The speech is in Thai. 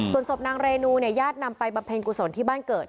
ส่วนศพนางเรนูเนี่ยญาตินำไปบำเพ็ญกุศลที่บ้านเกิด